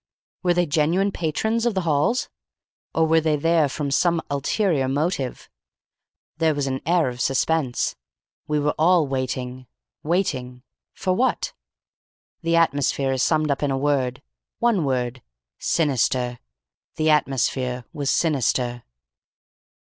Were they genuine patrons of the Halls? Or were they there from some ulterior motive? There was an air of suspense. We were all waiting. Waiting. For what? "The atmosphere is summed up in a word. One word. Sinister. The atmosphere was sinister.